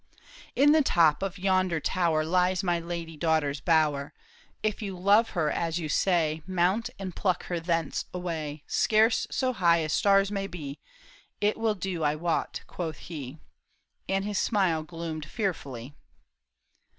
" In the top of yonder tower Lies my lady daughter's bower ; If you love her as you say, Mount and pluck her thence away. Scarce so high as stars may be, It will do, I wot," quoth he. And his smile gloomed fearfully.